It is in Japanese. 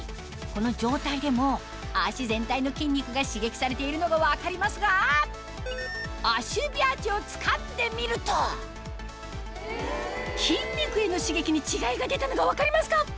この状態でも脚全体の筋肉が刺激されているのが分かりますが足指アーチをつかんでみると筋肉への刺激に違いが出たのが分かりますか？